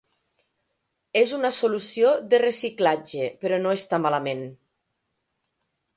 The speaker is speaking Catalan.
És una solució de reciclatge, però no està malament.